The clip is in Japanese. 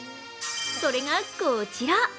それがこちら。